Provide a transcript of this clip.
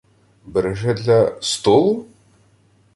— Береже для... столу?